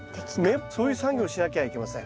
そういう作業をしなきゃいけません。